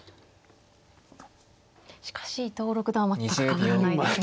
しかし伊藤六段は全く変わらないですね。